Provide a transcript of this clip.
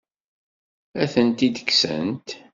Ad tent-id-kksent?